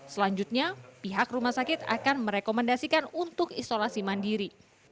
selanjutnya pihak rumah sakit akan merekomendasikan untuk isolasi mandiri